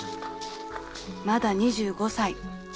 ［まだ２５歳］